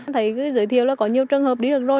thấy giới thiệu là có nhiều trường hợp đi được rồi